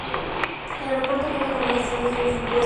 El aeropuerto cuenta con varias tiendas libres de impuestos.